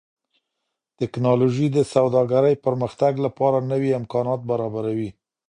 ټکنالوژي د سوداګرۍ پرمختګ لپاره نوي امکانات برابروي.